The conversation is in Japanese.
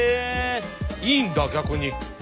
いいんだ逆に。